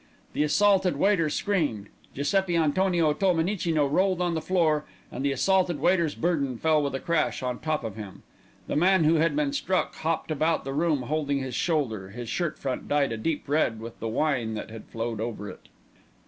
The assaulted waiter screamed, Giuseppi Antonio Tolmenicino rolled on the floor, and the assaulted waiter's burden fell with a crash on top of him. The man who had been struck hopped about the room holding his shoulder, his shirt front dyed a deep red with the wine that had flowed over it.